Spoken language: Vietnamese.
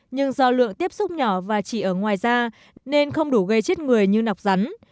nhưng do lượng tiếp xúc nhỏ và chỉ ở ngoài da nên không đủ gây chết người như nọc rắn